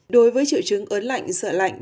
đối với triệu chứng ớn lạnh sợ lạnh